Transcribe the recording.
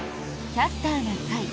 「キャスターな会」。